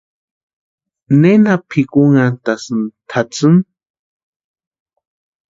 ¿Nena pʼikunhantʼasïni tʼatsïni?